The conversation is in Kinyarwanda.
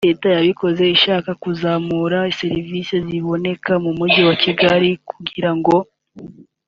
Leta yabikoze ishaka kuzamura serivisi ziboneka mu Mujyi wa Kigali kugira ngo